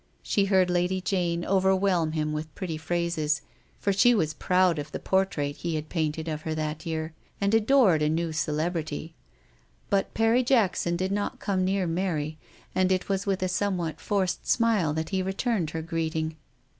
She heard Lady Jane overwhelm him with pretty phrases, for she was proud of a portrait he had painted of her that year and enjoyed a new celebrity ; but Perry Jackson did not come near Mary, and it was with a somewhat forced smile that he returned her greeting.